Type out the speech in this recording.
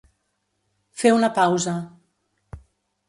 Fer una pausa.